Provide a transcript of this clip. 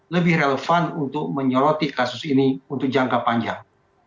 lebih relevan untuk menyoroti kasus ini untuk jangka panjang